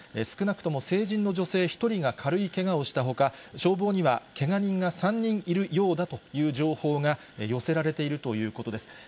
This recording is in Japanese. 少なくとも成人の女性１人が軽いけがをしたほか、消防にはけが人が３人いるようだという情報が寄せられているということです。